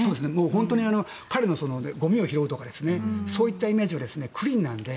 本当に彼がごみを拾うとかそういうイメージがクリーンなので。